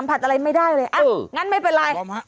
ผัดอะไรไม่ได้เลยอ่ะงั้นไม่เป็นไร